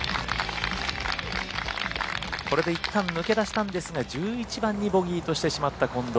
これでいったん抜け出したんですが１１番にボギーとしてしまった近藤。